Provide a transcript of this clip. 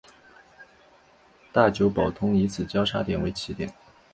大久保通以此交差点为起点。